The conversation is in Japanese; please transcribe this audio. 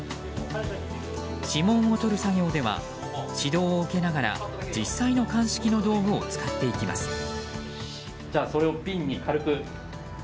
指紋をとる作業では指導を受けながら実際の鑑識の道具を使っていきます。